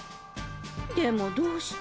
でもどうして？